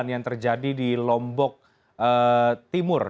yang terjadi di lombok timur